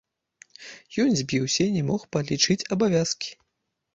Ён збіўся і не мог палічыць абавязкі.